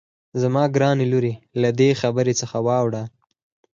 زما ګرانې لورې له دې خبرې څخه واوړه.